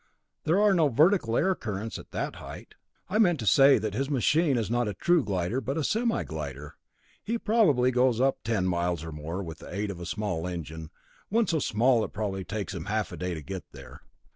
There are no vertical air currents at that height." "I meant to say that his machine is not a true glider, but a semi glider. He probably goes up ten miles or more with the aid of a small engine, one so small it probably takes him half a day to get there.